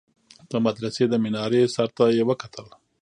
د مدرسې د مينارې سر ته يې وكتل.